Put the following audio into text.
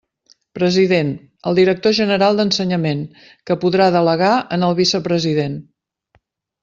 President: el director general d'Ensenyament, que podrà delegar en el vicepresident.